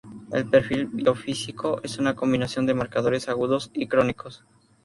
El perfil biofísico es una combinación de marcadores agudos y crónicos.